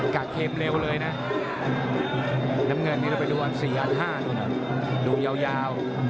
กะเค็มเร็วเลยนะน้ำเงินนี้เราไปดูอัน๔อัน๕นู่นดูยาว